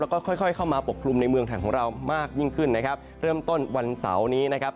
แล้วก็ค่อยค่อยเข้ามาปกคลุมในเมืองไทยของเรามากยิ่งขึ้นนะครับเริ่มต้นวันเสาร์นี้นะครับ